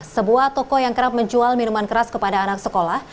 sebuah toko yang kerap menjual minuman keras kepada anak sekolah